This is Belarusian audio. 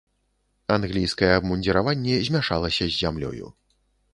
Англійскае абмундзіраванне змяшалася з зямлёю.